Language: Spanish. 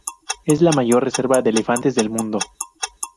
Es la mayor reserva de elefantes del mundo.